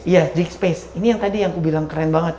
iya jik space ini yang tadi yang kubilang keren banget